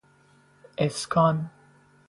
اسکان